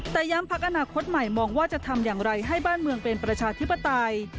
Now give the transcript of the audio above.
แต่ย้ำพักอนาคตใหม่มองว่าจะทำอย่างไรให้บ้านเมืองเป็นประชาธิปไตย